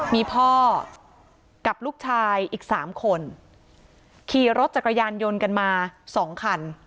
มีพ่อกับลูกชายอีกสามคนขี่รถจักรยานยนต์กันมาสองคัน